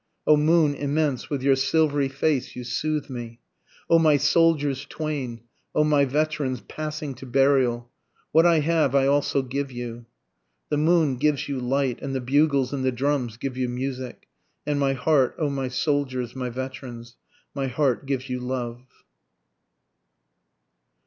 O moon immense with your silvery face you soothe me! O my soldiers twain! O my veterans passing to burial! What I have I also give you. The moon gives you light, And the bugles and the drums give you music, And my heart, O my soldiers, my veterans, My heart gives you love.